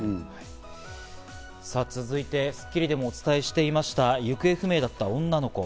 さぁ、続いて『スッキリ』でもお伝えしていました行方不明だった女の子。